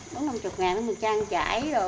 bốn năm chục ngàn mình trang trải